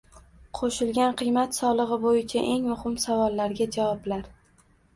Qo'shilgan qiymat solig'i bo'yicha eng muhim savollarga javoblar